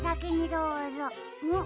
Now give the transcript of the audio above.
どうぞ！